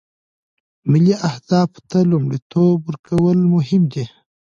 ملي اهدافو ته لومړیتوب ورکول مهم دي